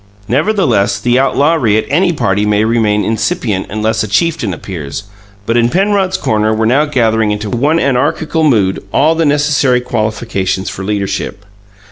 Nevertheless, the outlawry at any party may remain incipient unless a chieftain appears; but in Penrod's corner were now gathering into one anarchical mood all the necessary qualifications for leadership.